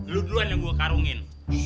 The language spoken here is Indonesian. lu duluan yang gue karungin